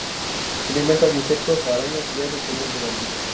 Se alimenta de insectos, arañas, hierba y semillas de bambú.